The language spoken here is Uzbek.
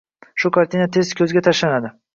Shu kartina tez ko‘zga tashlanadi.